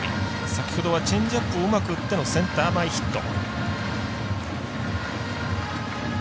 先ほどはチェンジアップをうまく打ってのセンター前ヒット。